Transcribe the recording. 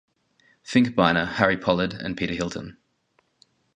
Finkbeiner, Harry Pollard, and Peter Hilton.